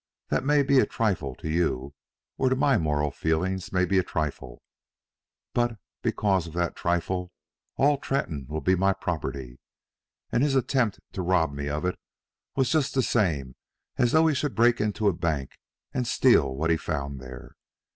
That may be a trifle to you, or to my moral feeling may be a trifle; but because of that trifle all Tretton will be my property, and his attempt to rob me of it was just the same as though he should break into a bank and steal what he found there.